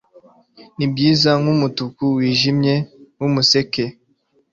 Nibyiza nkumutuku wijimye wumuseke